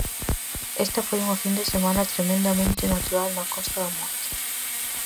Esta foi unha fin de semana tremendamente natural na Costa da Morte.